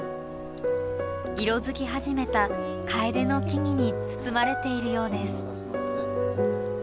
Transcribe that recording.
色づき始めたカエデの木々に包まれているようです。